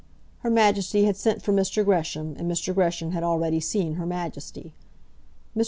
Her Majesty had sent for Mr. Gresham, and Mr. Gresham had already seen Her Majesty. Mr.